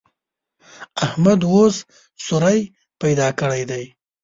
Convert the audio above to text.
احمد اوس سوری پیدا کړی دی.